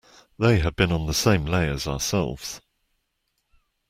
They had been on the same lay as ourselves.